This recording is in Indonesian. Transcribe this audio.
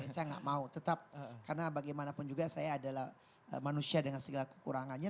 saya nggak mau tetap karena bagaimanapun juga saya adalah manusia dengan segala kekurangannya